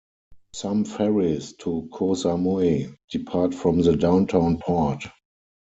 Some ferries to Ko Samui depart from the downtown port.